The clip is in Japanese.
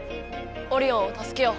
オリオンをたすけよう！